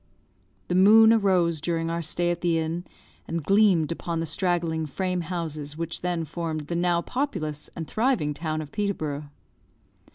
The moon arose during our stay at the inn, and gleamed upon the straggling frame houses which then formed the now populous and thriving town of Peterborough.